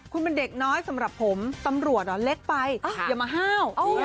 คุณเป็นเด็กน้อยสำหรับผมตำรวจเล็กไปอย่ามาห้าว